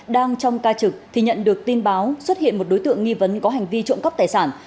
đang trong ca trực thì nhận được tin báo xuất hiện một đối tượng nghi vấn có hành vi trộm cắp tài sản